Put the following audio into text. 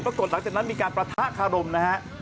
ก่อนหลังจากนั้นมีการประทะคารมนะฮะ